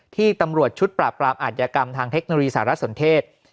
ที่ตำรวจชุดปรากราบอาจยกรรมทางเทคโนรีสหรัฐสนเทศ